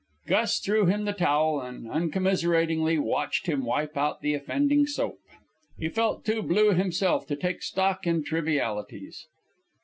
Gus threw him the towel, and uncommiseratingly watched him wipe out the offending soap. He felt too blue himself to take stock in trivialities.